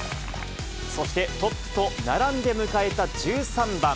そして、トップと並んで迎えた１３番。